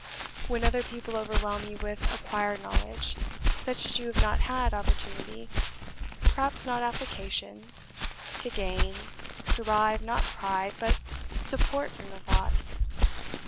When other people overwhelm you with acquired knowledge, such as you have not had opportunity, perhaps not application, to gain derive not pride, but support from the thought.